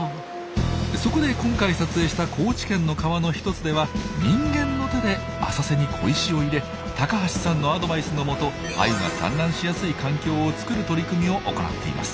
そこで今回撮影した高知県の川の一つでは人間の手で浅瀬に小石を入れ高橋さんのアドバイスのもとアユが産卵しやすい環境を作る取り組みを行っています。